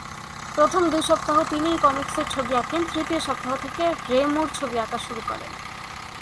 প্রথম দুই সপ্তাহ তিনিই কমিকসের ছবি আঁকেন, তৃতীয় সপ্তাহ থেকে রে মুর ছবি আঁকা শুরু করেন।